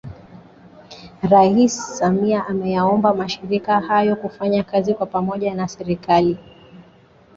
Rais Samia ameyaomba Mashirika hayo kufanya kazi kwa pamoja na Serikali